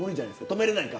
止めれないか。